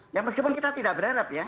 ya meskipun kita tidak berharap ya